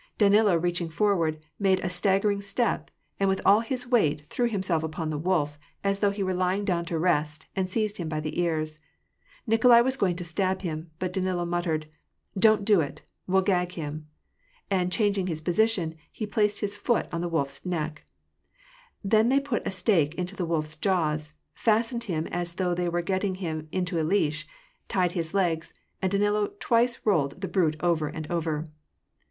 Danilo, reaching forward, made a staggering step, and with all his weight threw himself upon the wolf, as though he were lying down to rest, and seized him by the ears. Nikolai was going to stab him, but Danilo muttered, —" Don't do it, we'll gag him !" and, changing his position, he placed his foot on the wolf's neck. Then they put a stake into the wolf's jaws, fastened him as though they were getting him into a leash, tied his legs, and Danilo twice rolled the brute over and over.